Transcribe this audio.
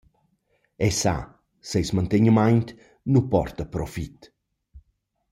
Eu sà, seis mantegnimaint nu porta profit.